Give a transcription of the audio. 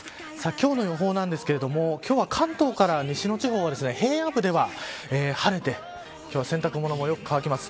今日の予報なんですけれども今日は関東から西の地方は平野部では晴れて今日は洗濯物もよく乾きます。